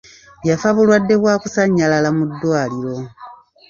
Yafa bulwadde bwa kusannyalala mu ddwaliro.